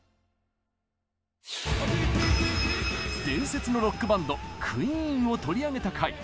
伝説のロックバンドクイーンを取り上げた回。